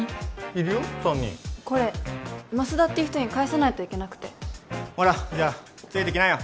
いるよ３人これマスダって人に返さないといけなくてほらじゃあついてきなよ